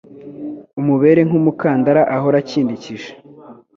umubere nk’umukandara ahora akindikije